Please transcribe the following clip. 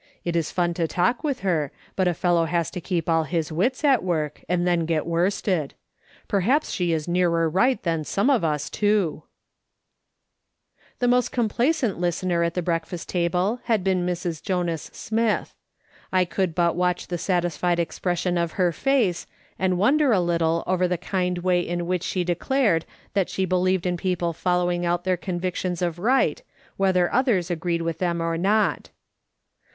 It is fun to talk with her, but a fellow has to keep all his wits at work, 1 1 8 J/A'5. SOL OMON S. MI Til LO OKING ON. and tlien get worstetl. Perhaps she is nearer right than some of us, too," The most complacent listener at the breakfast table had been Mrs. Jonas Smith. I could but watch the satisfied expression of her face, and wonder a little over the kind way in which she declared that she believed in people following out their convic tions of right, whether others agreed with them or not.